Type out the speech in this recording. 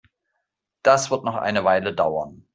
Das wird noch eine Weile dauern.